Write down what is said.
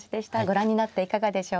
ご覧になっていかがでしょうか。